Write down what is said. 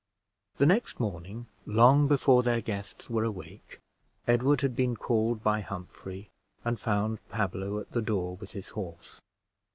The next morning, long before their guests were awake, Edward had been called by Humphrey, and found Pablo at the door with his horse.